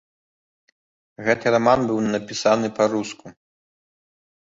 Гэты раман быў напісаны па-руску.